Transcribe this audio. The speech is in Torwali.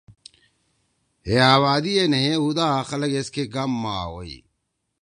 ہے آبادی ئے نھیئی ہُو دا خلگ ایسکے گام ما آووئی۔